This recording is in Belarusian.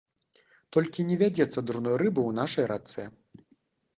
Толькі не вядзецца дурной рыбы ў нашай рацэ.